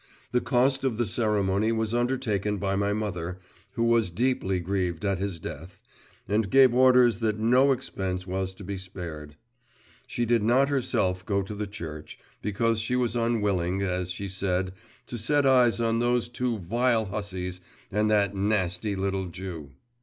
The cost of the ceremony was undertaken by my mother, who was deeply grieved at his death, and gave orders that no expense was to be spared. She did not herself go to the church, because she was unwilling, as she said, to set eyes on those two vile hussies and that nasty little Jew.